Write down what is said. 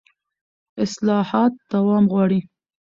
اصلاحات دوام غواړي